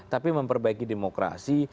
tapi memperbaiki demokrasi